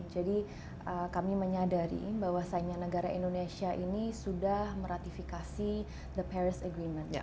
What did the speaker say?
jadi kami menyadari bahwa saingan negara indonesia ini sudah meratifikasi perjanjian paris